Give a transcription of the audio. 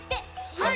はい！